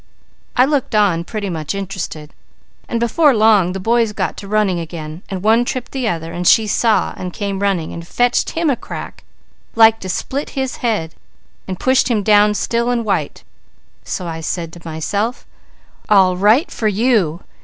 I looked on pretty much interested, and before long the boys got to running again and one tripped the other, and she saw and come running, and fetched him a crack like to split his head, and pushed him down still and white, so I said to myself: 'All right for you.